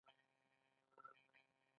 بندیانو به هلته کار کاوه.